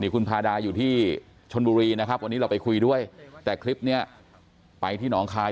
คุณพาดาอยู่ที่ชนบุรีนะครับวันนี้เราไปคุยด้วยแต่คลิปนี้ไปที่หนองคาย